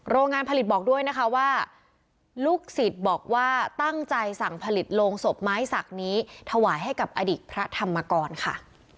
โรงงานผลิตบอกด้วยนะคะว่าลูกศิษย์บอกว่าตั้งใจสั่งผลิตโรงศพไม้สักนี้ถวายให้กับอดีตพระธรรมกรค่ะ